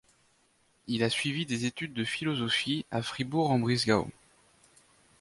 Il a suivi des études de philosophie à Fribourg-en-Brisgau.